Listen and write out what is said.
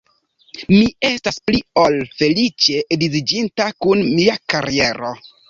Mi estas pli ol feliĉe edziĝinta kun mia kariero.